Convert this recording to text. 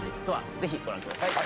ぜひご覧ください。